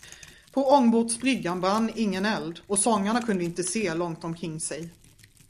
På ångbåtsbryggan brann ingen eld, och sångarna kunde inte se långt omkring sig.